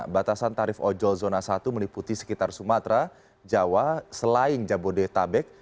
batasan tarif ojol zona satu meliputi sekitar sumatera jawa selain jabodetabek